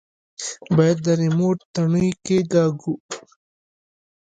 بايد د ريموټ تڼۍ کښېکاږو.